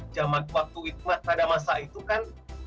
zaman waktu hikmah pada masa itu kan